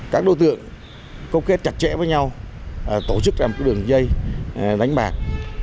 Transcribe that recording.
các đối tượng câu kết chặt chẽ với nhau tổ chức ra một đường dây đánh bạc